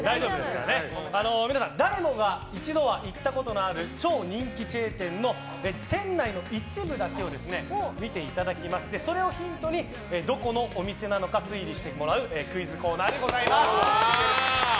誰もが一度は行ったことのある超人気チェーン店の店内の一部分だけを見ていただきそれをヒントにどこのお店なのか推理してもらうクイズコーナーでございます。